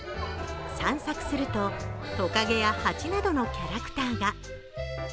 散策するととかげや蜂などのキャラクターが。